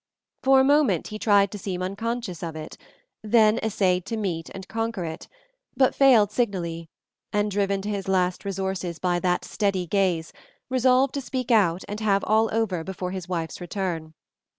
For a moment he tried to seem unconscious of it, then essayed to meet and conquer it, but failed signally and, driven to his last resources by that steady gaze, resolved to speak out and have all over before his wife's return.